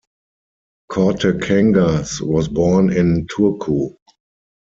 Kortekangas was born in Turku.